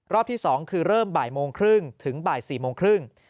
ที่๒คือเริ่มบ่ายโมงครึ่งถึงบ่าย๔โมงครึ่ง